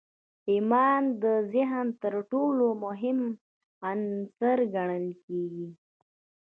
ايمان د ذهن تر ټولو مهم عنصر ګڼل کېږي.